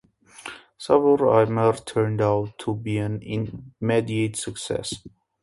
"Savoir aimer" turned out to be an immediate success.